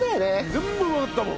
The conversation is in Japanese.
全部うまかったもん。